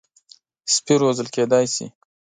سپي روزل کېدای شي.